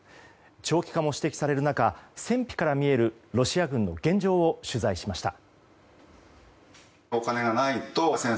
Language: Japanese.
長期化も指摘される中戦費から見えるロシア軍の現状を取材しました。